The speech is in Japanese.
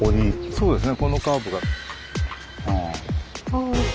そうですね。